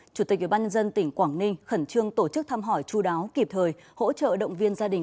chủ tịch ủy ban nhân dân tỉnh quảng ninh khẩn trương tổ chức thăm hỏi chú đáo kịp thời hỗ trợ động viên gia đình